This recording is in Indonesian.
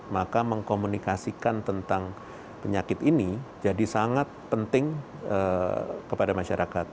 maka mengkomunikasikan tentang penyakit ini jadi sangat penting kepada masyarakat